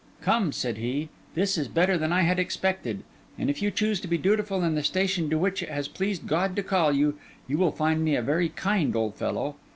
'Come,' said he, 'this is better than I had expected; and if you choose to be dutiful in the station to which it has pleased God to call you, you will find me a very kind old fellow.